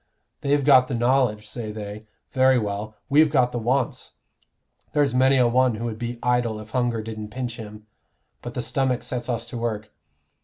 They've got the knowledge, say they. Very well, we've got the wants. There's many a one would be idle if hunger didn't pinch him; but the stomach sets us to work.